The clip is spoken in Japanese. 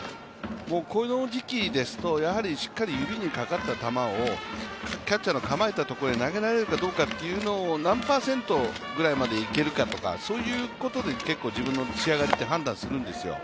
この時期ですとしっかり指にかかった球をキャッチャーの構えたところに投げられるかどうかというのを、何パーセントまでいけるかとか、そういうことで、自分の仕上がりって判断するんですよ。